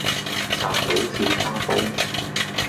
賊佬試沙煲